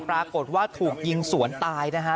ปรากฏว่าถูกยิงสวนตายนะฮะ